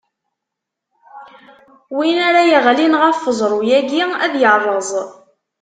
Win ara yeɣlin ɣef uẓru-agi ad irreẓ.